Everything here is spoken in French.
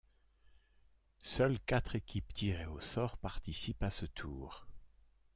Seules quatre équipes tirées au sort participent à ce tour.